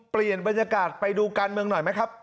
เปลี่ยนบรรยากาศไปดูการเมืองหน่อยไหมครับ